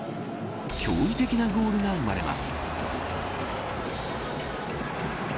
驚異的なゴールが生まれます。